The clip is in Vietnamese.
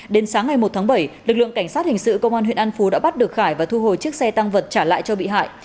đến sáng ngày một tháng bảy lực lượng cảnh sát hình sự công an huyện an phú đã bắt được khải và thu hồi chiếc xe tăng vật trả lại cho bị hại